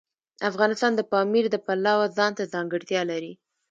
افغانستان د پامیر د پلوه ځانته ځانګړتیا لري.